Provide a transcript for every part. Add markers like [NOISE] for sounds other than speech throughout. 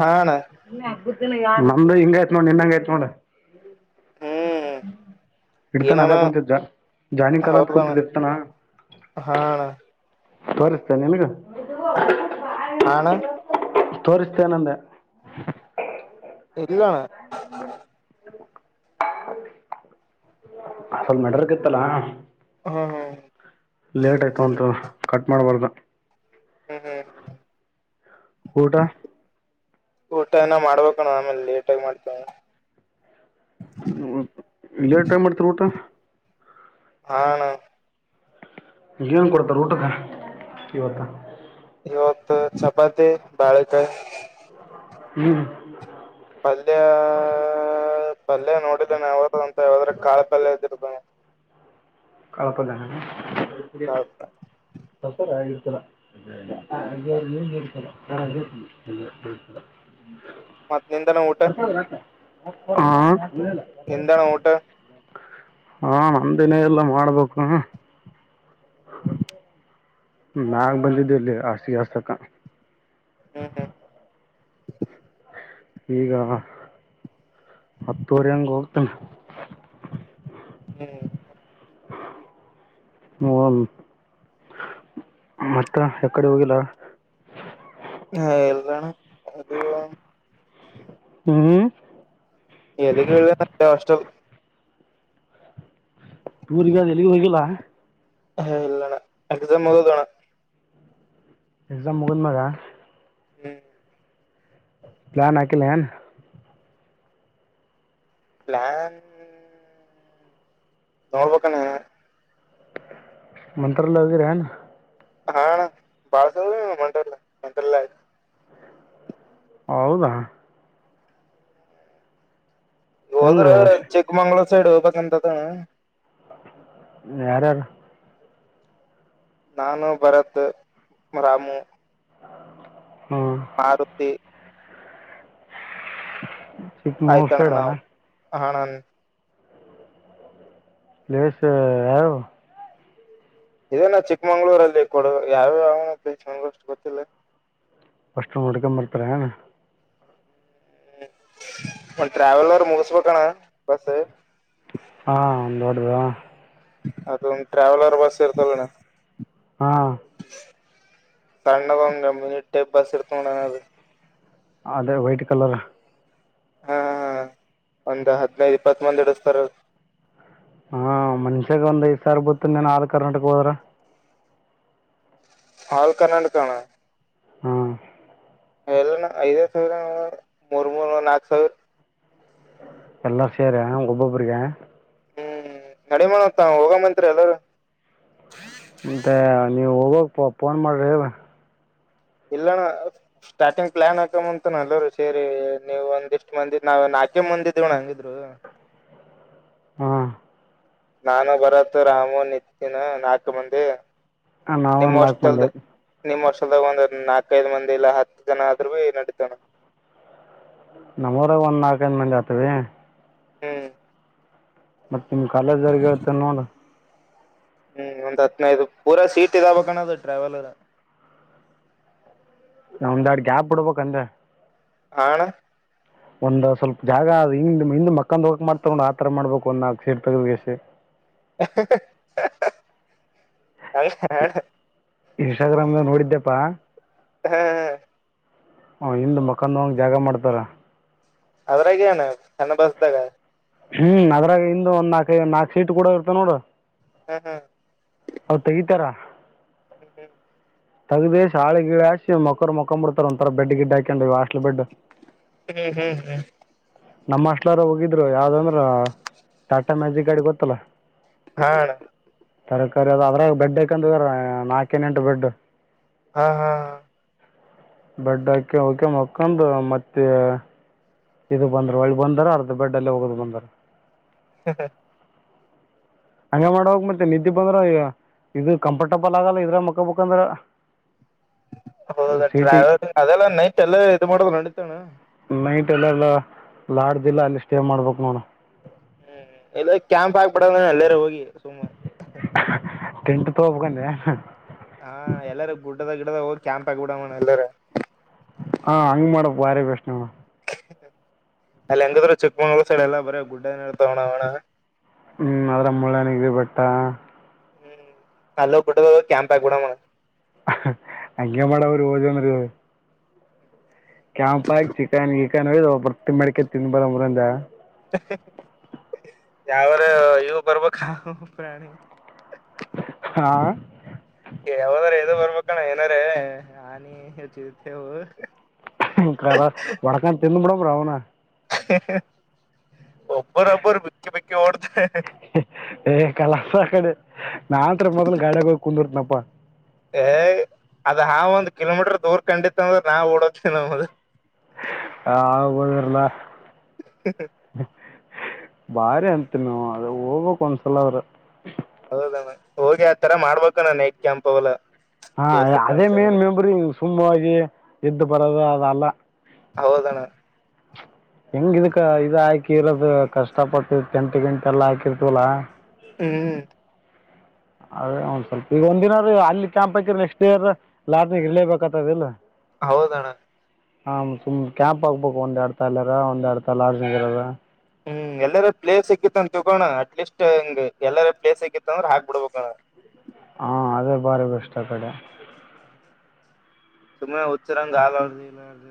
ಹಾ ಅಣ್ಣ ನ ಹಿಂಗ ಆಯ್ತ್ ನೋ ನಿನ್ಂಗಯ್ತ್ ನೋಡ ಹ್ಮ್ ಇಡ್ತಾನ ಏನಣ ಅದೇ ಕೊಂಚ ಜ ಜಾಯನಿಂಗ್ ಕಾಲ ಅಂತ ಹೌದಣ ಕುತಿದ್ದ ಇರ್ತಾನ ಹಾ ತೋರಿಸರಿಸ್ತೇ ನಿಮಗ ಅಣ್ಣ ತೋರಿಸ್ತೇ ನಂದೆ ಇಲ್ಲ ಅ ಸ್ವಲ್ ಮೆಡರ್ಗ ಇತ್ತಲ್ಲಾ ಹ್ಮ್ ಹ್ಮ್ ಲೇಟ್ ಆಯ್ತು ಅಂತ ಕಟ್ ಮಾಡ್ಬಾರ್ದ ಹ್ಮ್ ಹ್ಮ್ ಊಟ ಊಟ ಎನ ಮಾಡ್ಬೇಕಣ ಆಮೇಲೆ ಲೇಟಾಗಿ ಮಾಡ್ತಾವ ಲೇಟ್ ಟೈಮ್ ಮಾಡ್ತರ ಊಟ ಹಣ ಜೀನ್ ಕೊಡ್ತಾರ ಊಟಕ್ಕ ಇವತ್ತ ಇವತ್ತು ಚಪಾತಿ ಬಾಳೆಕಾಯಿ ಹ್ಮ್ ಅಲ್ಲಿಯ ಪಲ್ಯೆ ನೋಡಿಿಲ್ಲ ನ ಯಾವ ಅಂತ ಹೇಳದ್ರ ಕಾಳ ಪಲ್ಯ ಇದ್ದಿರಬೇಕ ಕಳಪಲ್ಲ ತರ. ನೀ ಹೇಳ್ತ ಹ ಹೇಳ್ತೀ ಹೇಳ್ತ. ಮತ್ತ ನಿಧಾನ ಊಟ ಹಾ ಎಂತಾನ ಊಟ ಹಾ ನಂದಿನೇ ಎಲ್ಲ ಮಾಡ್ಬೇಕು. ನಾಗ ಬಂದಿದ್ದೆ ಇಲ್ಲಿ ಆಸಿಗೆ ಹಸ್ತಕ್ಕ.. ಹ್ಮ್ ಹ್ಮ್ ಹ್ಮ್.. ಈಗ.. ಹತ್ತುುವಯ ಹೋಗತನೆ ಹ್ಮ್ ಹ. ಮತ್ತ ಎಕಡೆ ಹೋಗಿಲ್ಲ.. ಹ ಎಲ್ಲಾನ ಎ ಹ್ಮ್ ದಕ್ಕೆ ಕಷ್ಟ. ಊರ್ ಈಗ ಎಲ್ಲಿಗೂ ಹೋಗಿಲ್ಲ. ಹ ಇಲ್ಲಣ್ಣ ಎಕ್ಸಾಮ ಮಗದಣ.. ಎಸಾಮ ಮುಗನ್ ಮಗ.. ಹ್ಮ್.. ಪ್ಲಾನ್ ಆಕಿಲ್ಲನ್. ಪಲಾನ್. ನೋಡ್ಬೇಕಾನೆ. ಮತ್ರಲ್ಲಗೆ ರಣ. ಹಾ ಬಾಳ್ಸ ಮಂಟಲ್ಲ ಮಂಟಲ್ಲ ಆಯ್ತು. ಹೌದಾ.. ಹೋದ್ರ ಹೆಂಗ ಚಿಕ್ಕಮಂಗ್ಳೂರ್ ಸೈಡ್ ಹೋಗ್ಬೇಕಂತದ.. ಯಾರ ಯಾರು.. ನಾನು ಭರತ್ ರಾಮು.. ಹ್ಮ್ ಮಾರುತಿ.. ಚಕ್ಕ ಮೂರ್ ಆಯ್ತಣ್ಣ ಸೇಡಾ.. ನಾವ್ ಹಣ.. ಲಲೇಶ ಯ. ಇದೇನ ಚಿಕ್ಕಮಂಗ್ಳೂರಲ್ಲಿ ಕೊಡ ಯಾರು ಯಾವ ಬಲ್ಂಗೂ ಅಷ್ಟು ಗೊತ್ತಿಲ್ಲ.. ಸ್ಟ್ ನೋಡ್ಕೊ ಬರ್ತಾರೆ.. ಹ್ಮ್ ಒ ಟ್ರಾವೆಲ್ರ್ ಮುಗಸ್ಬೇಕಣ್ಣ ಬಸ್.. ಹಾಡದ.. ಅದು ಟ್ರಾವೆಲ್ ಬಸ್ ಇರ್ತಲ್ಲ ನ. ಹಾ. ಸಣ್ಣಗಂಗ ಮುಟ್ಟ ಬಸ್ ಎತಕಡ ಅದು.. ಅದೇ ವೈಟ್ ಕಲರ್. ಹಾ ಒಂದ್ ಹದ್ನೈದು ಇಪ್ಪತ್ ಮುಂದ್ ಎಡತರ.. ಹಾ ಮನ್ಷ್ಯಾಗ ಒಂದ್ ದ್ ಸಾವ ಬೊತ್ತು ನೀನ್ ಆದ ಕರ್ನಾಟಕ ಹೋದ್ರ. ಹಾಳ್ ಕನ್ನಂಡ ತಾಣ. ಹ್ಮ. ಎಲ್ಲ ಐದೈದು ಸಾವಿರ ಮೂರ್ ಮೂರ್ ನಾಕು ಸಾವಿರ.. ಎಲ್ಲಾರ ಸೇರ ಒಬ್ಬೊಬ್ರಿಗೆರಿಗೆ.. ಹ್ಮ್ ನಡಿ ಮಾಡತ್ತ ಹೋಗ ಮಂರಿ ಎಲ್ಲಾರೂ.. ಮತ್ತೆ ನೀವು ಹೋಗಕ್ ಫೋನ್ ಮಾಡ್ರಿ. ಇಲ್ಲಣ್ಣ ಸ್ಟಾರ್ಟಿಂಗ್ ಪ್ಲಾನ್ ಹಾಕಂತ ಅಲ್ಲರು ಸೇರಿ ನೀವು ಒಂದಿಷ್ಟ್ ಮಂದಿ ನಾವ್ ನಾ. ಆಕೆ ಮುಂದಿದ್ದವಣ ಹಂಗಿದ್ರು. ಹ ನಾನು ಭರತ್ ರಾಮು ನಿತ್ಯನ್ ನಾಕು ಮಂದಿ ನಿಮ್ಮ್ ನಾವೊಂದು ನಾಲ್ಕು ಮಂದಿ ಹಸ್ಟೆಲ್ದೇ ನಿಮ್ಮ್ ಹಸ್ಟೆಲ್ ದ ಒಂದ ನಾಕೈದ್ ಮಂದಿ ಇಲ್ಲ ಹತ್ತು ಜನ ಆದ್ರವೇ ನಡತಾವಣ ನಮ್ಮೂರ ಒಂದ್ ನಾಲ್ಕೈದು್ ಮಂದಿ ಆಗ್ತವಿ ಹ್ಮ್ ಮತ್ತ್ ನಿಮ್ ಕಾಲೇಜ್ ರಿಗೇ ಹೇಳತಿನ್ ನೋಡ್ ಹ್ಮ್ ಒಂದ್ ಹತ್ನೈದು ಪೂರಾ ಸೀಟ್ ಇದಬೇಕಣದು ಟರವಲರ್ ನಾ ಒಂದಾಡ್ ಗ್ಯಾಪ್ ಬಿಡ್ಬೇಕಕ್ಂದೆ. ಅ ಅಣ್ಣ ಒಂದ ಸ್ವಲ್ಪ ಜಾಗ ಹಿಂದ ಹಿಂದ ಮಕ್ಕಂದ ಹೋಗಕಕ್ ಮಾಡ್ತಾರೊಂಡ್ ಆತರ ಮಾಡ್ಬೇಕು ಒಂದ ನಾಕ್ ಸೀಟ್ ತೇಗದಿ ಏಸದಿ ಹ ಹಾ ಹಹ ಇನ್ಸ್ಟಾಗ್ರಾಮ್ ನೋಡಿದ್ದೆಪ್ಪಾ ಹ ಹಿಂದ ಮಕಾನ್ ಹೋಗಕ ಜಾಗ ಮಾಡ್ತಾರ ಅದ್ರಾಗ ಏನು ಚೆನ್ನ ಬಸ್ದಾಗ ಹ್ಮ್ ಅದ್ರಾಗ ಇಂದು ಒಂದ ನಾಕ ನಾಕ್ ಸೀಟ್ ಕೂಡ ಇರ್ತೇವ ನೋಡು ಹ ಹ ಹೌ ತಗಿತರ ಹ್ಮ್ ಹ್ಮ್ ತಗ್ದಿ ಶಾೆ ಗಿಡಾಿ ಮಕ್ಕರು ಮೊಕೊ್ ಬಿಡ್ತಾರ ಒಂಥರ ಬೆಡ್ ಗಿಡ್ ಹಾಕೊಂಡ್ ಹ್ಮ್ ಹ್ಮ್ ಹ್ಮ್ ನಮ್ಮ ಹಸ್ಟೆಲ್ರು ಹೋಗಿದ್ರು ಯಾವ್ದಂದ್ರ ಟಾಟಾ ಮ್ಯಾಜಿಕ್ ಗಾಡಿ ಗೊತ್ತಲ್ಲ ಹಾ ಅಣ್ಣ ತರಕಾರಿ ಅದ ಅದ್ರಾಗ ಬೆಡ್ ಅಕಂತರ ಅಣ ನಾಲ್ಕೇಿನೆಂಟು ಬೆಡ್ ಹಾ ಹಾ ಹ ಬೆಡ್ ಹಾಕಿ ಅವಕೆ ಮಕ್ಕೊಂಡ್ ಮತ್ತೆ ಇದು ಬಂದ್ರ ಒಳ್ಳಿ ಬಂದಾರ ಅರ್ಧ ಬೆಡ್ ಅಲ್ಲಿ ಹೋಗೋದು ಬಂದಾರ ಹ ಹಾ ಹಂಗೇ ಮಾಡೋಗ ಮತ್ತೆ ನಿದ್ದೆ ಬಂದ್ರ ಈಗ ಇದು ಕಂಫರ್ಟಬಲ್ ಆಗಲ್ಲ ಇದ್ರಲಿ ಮಕ್ಕಬ್ಅಂದ್ರೇ ಹೌದ ಟ್ರಾವೆಲಿಂಗ್ ಅದೆಲ್ಲ ನೈಟ್ ಎಲ್ಲ ಇದು ಮಾಡದು ನಡಿತವಣ ನೈಟ್ ಎಲ್ಲಲ್ಲ ಲಾಡಜ ಇಲ್ಲ ಅಲ್ಲಿ ಸ್ಟೇ ಮಾಡ್ಬೇಕ್ ನೋಡ ಹ್ಮ್ ಎಲ್ಲ ಕ್ಯಾಂಪ್ ಆಗ್ಬಿಡದ್ರ ಅಲ್ಲೇಾರ ಹೋಗಿ ಸುಮ್ನೇ ಟಂಟ್ು ತೋಬಕೊಂಡೆ ಹಾ ಎಲ್ಲಾರ ಗುಡ್ಡದ ಗಿಡದ ಹೋಗಿ ಕ್ಯಾಂಪ್ ಆಗಬಿಡ ಮಣ ಎಲ್ಲಾರ ಹಾ ಹಂಗ ಮಾಡಡ ಬಾರ ಬಸ್ಟ್ಣ್ ಅಲ್ಲಿ ಹೆಂಗಾದ್ರೂ ಚಿಕ್ಕಮಂಗಳೂರು ಸೈಡ್ ಎಲ್ಲಾ ಬರಿ ಗುಡ್ಡನೇ ಏ ಇಡ್ತಾವಣ ಅಣ್ಣ ಹ್ಮ್ ಅದ್ರ ಮುಳ್ಳಗಿರಿನ ಬೆಟ್ಟ ಹ್ಮ್ ನ ಅಲ್ಲ ಪುಟ್ಟ ಕ್ಯಾಂಪ್ ಆಗಿ ಕೂಡ ಮ ಅಂಗೇ ಮಾಡೇವ ಹೋದಂದರೇ ಕ್ಯಾಂಪಗಿ ಚಿಕನ್ ಗಿಕನ್ ಬರ್ ಮಡಕೆ ತಿನ್ಬಾರ್ರಂದ ಯಾವ ಇವು ಬರ್ಬಾಕ ಪ್ರಾಣಿ ಹಾ ಯಾವದ್ರ ಎದು ಬರ್ಬೇಕಣ್ಣ ಏನಾರ ಆನಿ ಚಿರತತೆವು ಕದ ವಡಕನ್ ತಿಿಂದ ಬಿಿಡ್ರ ಅವನ ಒಬ್ಬರ ಒಬ್ಬರು ಬಕ್ಕಿ ಬಕ್ಕಿ ಓಡ್ತರೇ ಏ ಕಲಾಸ ಕಡೆ ನಾನ್ತ್ರ ಮೊದಲು ಗಾಡಾಗ ಹೋಗಿ ಕುಂದರ್ತನಪ್ಪಾ ಏ ಅದ ಹಾ ಒಂದ್ ಕಿಲೋಮೀಟರ್ ದೂರ್ ಕಂಡಿತ್ ಅಂದ್ರೆ ನಾ ಓಡೋದ ನಾ ಮೊದಲ್ ಹ ಹಾವ್ಬರಲ್ಲ ಭಾರಿ ಅಂತಿನವ ಅದು ಓದಬೇಕು ಒಂದಸಲ ಅವರ ಹೌದಣ ಹೋಗಿ ಆತರ ಮಾಡ್ಬೇಕು ಅಣ್ಣ ನೈಟ್ ಕ್ಯಾಂಪ್ ಅವಲ್ಲ ಹಾ ದೋಸ್ತ್ ಅದೇ ಫ್ರೆಂಡ್ಸ್ ಮೇನ್ ಅಂದ್ರ ಮೆಮರಿ ಸುಮ್ಮನೆ ಹೋಗಿ ಇದ್ದು ಬರದು ಅದಲ್ಲ ಹೌದಣ ಹೆಂಗ್ ಇದುಕ ಇದು ಹಾಕಿ ಇರೋದು ಕಷ್ಟ ಪಟ್ಟು ಟೆಂಟು ಗಿಂಟು ಎಲ್ಲಾ ಹಾಕಿರ್ತವಲ್ಲಾ. ಹ್ಮ ಅದೇ ಒಂದ್ ಸ್ವಲ್ಪ ಈಗ ಒಂದ ದಿನರು ಅಲ್ಲಿ ಕ್ಯಾಂಪ್ ಹಾಕಿದ್ರೆ ನೆಕ್ಸ್ಟ್ ಇಯರ್ ಲಾಡ್ಜ್ ಅಲ್ಲಿ ಇರ್ಲೇಬೇಕತದ ಇಲ್ಲ ಹೌದಣ್ಣ ಹ ಸುಮ್ ಕ್ಯಾಂಪ್ ಆಗ್ಬೇಕು ಒಂದ್ ಅಡ್ತಾ ಎಲ್ಲಾರ ಒಂದ್ ಅಡ್ತಾ ಲಾಡ್ಜನಲ್ಲಿ ಇರದಾ. ಹ್ಮ್ ಎಲ್ಲಾರ ಪ್ಲೇಸ್ ಸಿಕ್ಕಿತ್ತ ಅಂತ ತಿಕೋಣ ಅಟ್ ಲೀಸ್ಟ್ ಹಂಗ ಎಲ್ಲಾರ ಪ್ಲೇಸ್ ಸಿಕ್ಕಿತ್ತ ಅಂದ್ರೆ ಹಾಕ್ಬಿಡ್ಬೇಕಣ [INAUDIBLE] ಹಾ ಅದೇ ಭಾರಿ ಬೆಷ್ಟ್ ಆ ಕಡೆ. ಸುಮ್ಮನೆ ಹುಚ್ಚಿರಂಗ ಆ ಲಾಡ್ಜ್ ಈ ಲಾಡ್ಜ್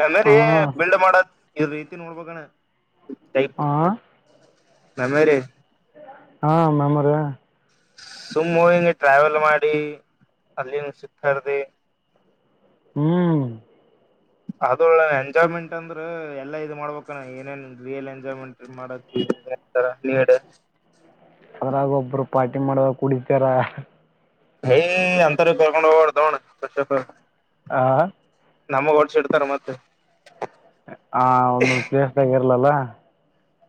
ಮೆಮರಿ ಹಾಂ ಬಿಲ್ಡ್ ಮಾಡದು ಈ ರೀತಿ ನೋಡ್ಬೇಕಣ ಆ ಮೆಮೊರಿ ಹಾ ಮೆಮೊರಿ ಸುಮ್ಮ್ ಮುಹಿಂಗೆ ಟ್ರಾವೆಲ್ ಮಾಡಿ ಅಲ್ಲಿ ಸುತ್ತರ್ದಿ ಹ್ಮ್ ಅದೊಳ್ಳ ಎಂಜಾಯ್ಮೆಂಟ್ ಅಂದ್ರ ಎಲ್ಲಾ ಇದ್ ಮಾಡ್ಬೇಕಣ್ಣ ಏನೇನ್ ರಿಯಲ್ ಎಂಜಾಯ್ಮೆಂಟ್ ಮಾಡ [UNINTELLIGIBLE] ಅದ್ರಾಗ ಒಬ್ರು ಪಾರ್ಟಿ ಮಾಡದಾಗ ಕುಡಿತಾರ ಹೇ ಅಂತರ ಕರ್ಕೊಂಡ್ ಹೋಗ್ಬರ್ದಣ್ಣ ಫಸ್ಟ್ ಆಫ್ ಆಲ್ ಆ ನಮ್ಮಗ್ ಹೊಡ್ಸ ಇಡ್ತಾರ ಮತ್ತೆ ಹ ಒಂದು ಒಂದು ಪ್ಲೇಸ್ದಾಗ ಇರ್ಲಲ್ಲ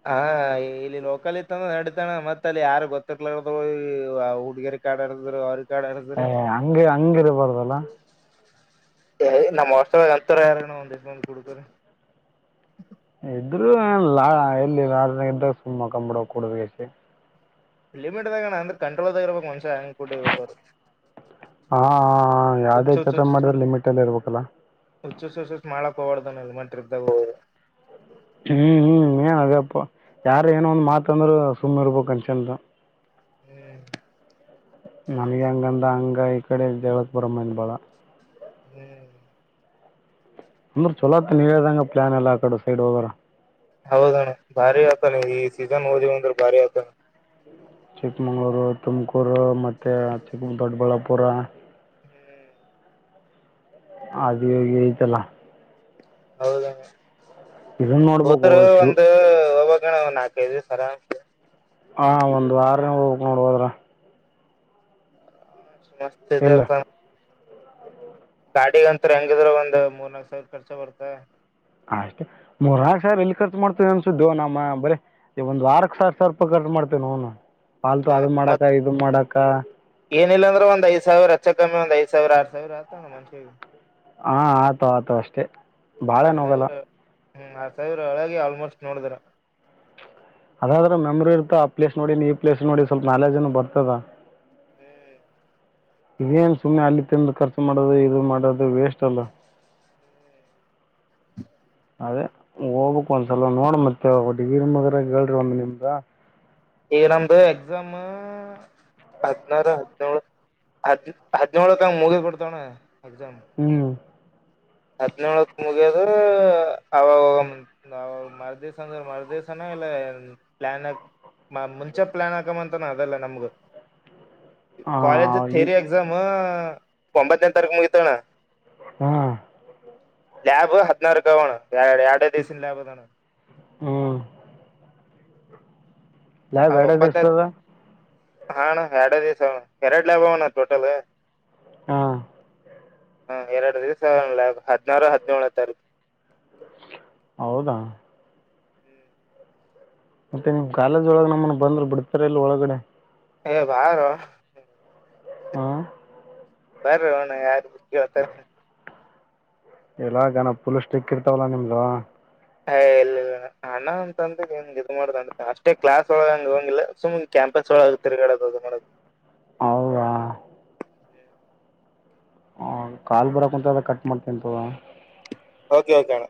ಹಾ ಇಲ್ಲಿ ಲೋಕಾಲ್ ಇರ್ತಂದ ನಡೀತಣ ಮತ್ತ್ ಅಲ್ಲಿ ಯಾರು ಗೊತ್ತಿರ್ಲಾರರು ಹುಡ್ಗಿರ [UNINTELLIGIBLE] ಏ ಅಂಗ್ ಅಂಗ್ ಇರ್ಬದಲ್ಲ ಏ ನಮ್ಮ್ ಹಾಸ್ಟೆಲಲ್ಲಿ ಅಂತಾರ್ ಯಾರ ಇಲ್ಲಣ್ಣ [UNINTELLIGIBLE] ಇದ್ರೂ ಲಾ ಎಲ್ಲಿ ಲಾಡ್ಜ ಇದ್ರಾಗ ಸುಮ್ಮ ಮಂಕಬಿಡಬೇಕು ಕುಡ್ದ್ ಲಿಮಿಟದಗಣ್ಣ ಅಂದ್ರ ಕಂಟ್ರೋಲ್ದಾಗ ಇರ್ಬೇಕ್ ಮನ್ಶ ಹೆಂಗ್ ಕುಡಿಬೇಕ್ ಅವರು ಆ ಆ ಆ ಯಾವ್ದೇ ಚಟ ಮಾಡಿದ್ರು ಲಿಮಿಟ್ ಅಲ್ಲಿ ಇರ್ಬೇಕಲ್ಲ. ಹುಚ್ಚ್ [UNINTELLIGIBLE] ಹ್ಮ್ ಹ್ಮ್ ಮೇನ್ ಅದೆಯಪ್ಪ ಯಾರ ಏನ್ ಒಂದ್ ಮಾತ್ ಅಂದ್ರು ಸುಮ್ಮ್ ಇರ್ಬೇಕು ಅನ್ಷಂದ್ ಹ್ಮ್ ನನಗೆ ಹಂಗಂದ ಹಂಗ ಈ ಕಡೆ ಜಗಳಕ್ ಬರೊಮ್ಮಂದಿ ಬಾಳ ಹ್ಮ್ ಅಂದ್ರ ಚೊಲೋತ್ತ ನೀ ಹೇಳ್ದಂಗ ಪ್ಲಾನ್ ಎಲ್ಲ ಆ ಕಡೆ ಸೈಡ್ ಹೋದರ ಹೌದಣ್ಣ ಭಾರಿ ಆತಾನ ಈ ಸೀಸನ್ ಹೋದಿವ್ ಅಂದ್ರೆ ಭಾರಿ ಆತಾನ ಚಿಕ್ಕಮಂಗಳೂರು ತುಮಕೂರು ಮತ್ತೆ ಚಿಕ್ಕ ದೊಡ್ಡಬಳ್ಳಾಪುರ. ಹ್ಮ್ ಆದಿ ಯೋಗಿ ಇತಾಲ ಹೌದಣ್ಣ ಇದನ್ನ ನೋಡ್ಬೇಕು ಹೋದರು ಶೂ ಒಂದು ಅವಾಗ ನಾಲ್ಕೈದು ದಿವಸ ಅರಾಮ್ ಹಾ ಒಂದ್ ವಾರ ಹೋಗಬೇಕ್ ನೋಡು ಹೋದ್ರ ಮಸ್ತ್ ಇದೆ ಇಲ್ಲ ಕಣ ಗಾಡಿ ಅಂತ ಹೆಂಗಿದ್ರ ಒಂದ್ ಮೂರ್ನಾಕ್ ಸಾವಿರ ಖರ್ಚ ಬರುತಾ ಹ ಅಷ್ಟೇ ಮೂರ್ನಾಲ್ಕಕ್ ಸಾವಿರ ಎಲ್ಲಿ ಖರ್ಚು ಮಾಡ್ತವಿ ಅನ್ಸುದೊ ನಮ್ಮ ಬರೀ ಒಂದ್ ವಾರಕ್ ಸಾವಿರ ಸಾವಿರ ಖರ್ಚ ಮಾಡ್ತೇನು ಪಾಲ್ತು ಅದ ಮಾಡಾಕ ಇದ ಮಾಡಾಕ ಏನಿಲ್ಲಂದ್ರ ಒಂದ್ ಐದ ಸಾವಿರ ಹೆಚ್ಚ ಕಮ್ಮಿ ಒಂದ್ ಐದ ಸಾವಿರ ಆರ್ ಸಾವಿರ ಆಯ್ತಣ ಮನ್ಷ್ಯಿಗೆ. ಹಾ ಆತು ಆತು ಅಷ್ಟೆ ಆರ್ ಸಾವಿರ ಹ್ಮ ಆರ್ ಸಾವಿರ ಒಳಗೆ ಆಲ್ಮೋಸ್ಟ್ ನೋಡಿದ್ರ ಅದಾದ್ರೆ ಮೆಮ್ರರಿ ಇರ್ತ ಆ ಪ್ಲೇಸ್ ನೋಡಿ ನೀ ಈ ಪ್ಲೇಸ್ ನೋಡಿ ಸ್ವಲ್ಪ ಮ್ಯಾಲೇಜ್ನು ಬರ್ತದ ಹ್ಮ್ ಇದೇನ್ ಸುಮ್ಮ್ನೆ ಅಲ್ಲಿ ತಿಂದು ಖರ್ಚು ಮಾಡೋದು ಇದು ಮಾಡೋದು ವೇಸ್ಟ್ ಅಲ್ಲ ಹ್ಮ್ ಅದೇ ಹೋಗ್ಕ್ ಒಂದ್ಸಲ ನೋಡ ಮತ್ತೆ ಒಟ್ಟ ಗೀರ್ ಮಗರ ಹೇಳ್ರಿ ಒಂದಂದು ನಿಮ್ದ ಏ ನಮ್ದು ಎಕ್ಸಾಮ್ ಹದಿನಾರು ಹದಿನೇಳು ಹದ್ ಹದ್ಿನೊಳಕ ಹಂಗ ಮುಗಿ ಕೊಡ್ತಾವಣ್ಣ ಎಕ್ಸಾಮ್ ಹ್ಞೂ ಹದಿನೇಳಕ್ ಮುಗಿಯದು ಅವಾಗ ಅವಾಗ ಮರದ್ಸ ಅ ಮರ ದಿವ್ನ ಪ್ಲಾನ್ ಮುಂಚೆ ಪ್ಲಾನ್ ಹಾಕಂತಾನ ಅದೆಲ್ಲ ನಮ್ಗ ಕಾಲೇಜ್ ಈ ಥೇರಿ ಎಕ್ಸಾಮ್ ಒಂಬತ್ತನೇ ತಾರೀಕು ಮುಗಿತಣ್ಣ ಹ್ಮ್ ಲಾಬ್ ಹದಿನಾರಕಾವಣ ಎರಡೇ ದಸ ಲಾಬ್ ಅ ಹ್ಮ್ ಲ ಆ ಒಂಬತ್ತನೇ ಬ್ಯಾಡದುಸತದ ಹಾ ನ ಎರಡ ದಿವಸ ಎರಡು ಲೇಬ ಅವಣ ಟೋಟಲ್ ಹಾ ಹಾ ಎರಡು ದಿವಸ ಹದ್ಿನಾರು ಹದಿನೇಳೇಳ ತಾರೀಕು ಹೌದಾ ಹ್ಮ್ ಮತ್ತೆ ನೀ್ ಕಾಲೇಜ್ ಒಳಗ ನಮ್ಮನ್ ಬಂದ್ರರು ಬಿಡ್ತಾರ ಇಲ್ ಒಳಗಡೆ ಬಾರ ಹಾ ಬರ್ರ ಹಣ ಯಾರುೇಳ್ತಾರೆ ಎಲ್ಲ ಗನ ಪುಲ್ ಸ್ಟಿಕ್ ಇರ್ತಾವಲ್ಲಾ ನಿಮಗ ಹ ಇಲ್ಲ ಅಣ ಅಂತಂದಂಗ ಇ ಮಾಡ್ದ ಅಂತ ಅಷ್ಟೇ ಕ್ಲಾಸ್ ಒಳಗಂಗ ಹಂಗಿಲ್ಲ ಸುಮ್ ಕ್ಯಾಂ ಇೋಳ ತಿರುಗಡ ಹವಾ ಹ ಕಾಲು ಬರಕ್ ಕುಂತ ಅ ಕಟ್ ಮಾಡ್ತೀಂತದ ಓಕೆ ಓಕೆಣ